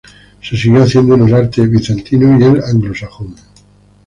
Se siguió haciendo en el arte bizantino y el anglosajón.